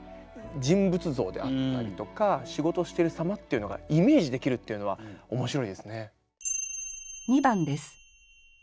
人物像であったりとか仕事してる様っていうのがイメージできるっていうのは面白いですね。